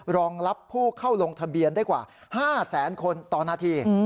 รองรับผู้เข้าลงทะเบียนได้กว่า๕แสนคนต่อนาที